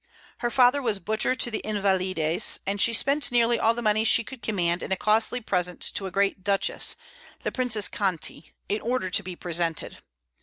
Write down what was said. Her father was butcher to the Invalides, and she spent nearly all the money she could command in a costly present to a great duchess, the Princess Conti, in order to be presented.